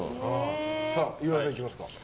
岩井さん、いきますか。